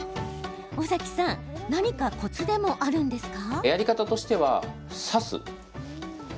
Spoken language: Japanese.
尾崎さん何かコツでもあるんですか？